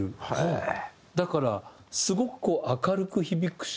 だからすごく明るく響くし。